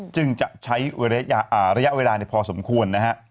จึงจะใช้ระยะเวลาพอสมควรนะฮะ